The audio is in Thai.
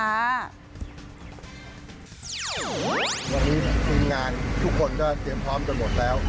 วันนี้ทีมงานทุกคนพร้อมจนหมดแล้ว